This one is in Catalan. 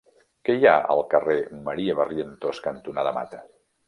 Què hi ha al carrer Maria Barrientos cantonada Mata?